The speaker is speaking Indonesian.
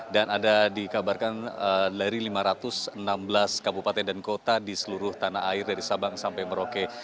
dan ada dikabarkan dari lima ratus enam belas kabupaten dan kota di seluruh tanah air dari sabang sampai merauke